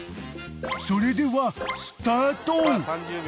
［それではスタート］